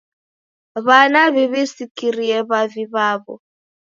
W'ana w'iw'isikire w'avi w'aw'o.